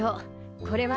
これは。